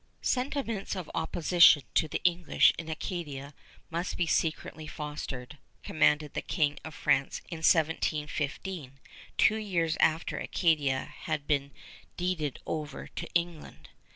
"Sentiments of opposition to the English in Acadia must be secretly fostered," commanded the King of France in 1715, two years after Acadia had been deeded over to England.